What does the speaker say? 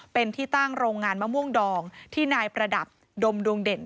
เป็นที่ตั้งโรงงานมะม่วงดองที่นายประดับดมดวงเด่น